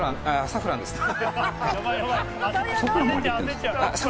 サフランですか？